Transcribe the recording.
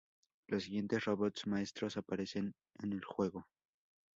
Los siguientes Robots Maestros aparecen en el juego.